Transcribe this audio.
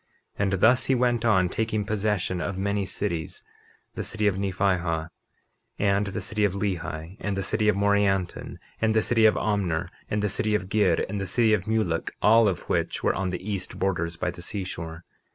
51:26 And thus he went on, taking possession of many cities, the city of Nephihah, and the city of Lehi, and the city of Morianton, and the city of Omner, and the city of Gid, and the city of Mulek, all of which were on the east borders by the seashore.